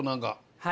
はい。